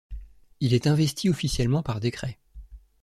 Il est investi officiellement par décret.